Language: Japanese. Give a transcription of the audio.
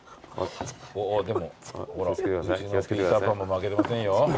うちのピーターパンも負けてませんよ。